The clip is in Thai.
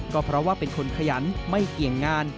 ก็เพราะว่าเป็นคนขยันไม่เกี่ยงงาน